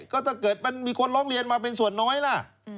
ก็มีคนร้องเรียนมาเป็นส่วนน้อยล่ะ